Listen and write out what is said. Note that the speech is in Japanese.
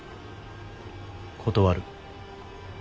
断る。